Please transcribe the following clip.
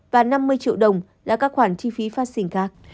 và năm mươi triệu đồng là các khoản chi phí phát sinh khác